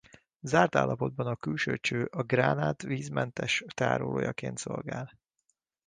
Zárt állapotban a külső cső a gránát vízmentes tárolójaként szolgál.